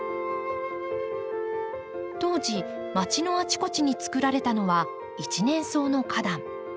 当時まちのあちこちにつくられたのは一年草の花壇。